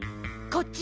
こっち。